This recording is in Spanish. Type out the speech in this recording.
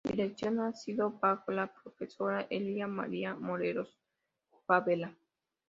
La dirección ha sido bajo la profesora Elia María Morelos Favela.